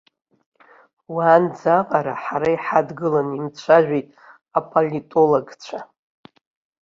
Уаанӡаҟара ҳара иҳадгыланы имцәажәеит аполитологцәа.